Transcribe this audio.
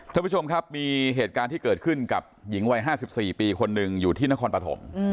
ท่านผู้ชมครับมีเหตุการณ์ที่เกิดขึ้นกับหญิงวัย๕๔ปีคนหนึ่งอยู่ที่นครปฐม